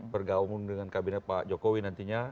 bergabung dengan kabinet pak jokowi nantinya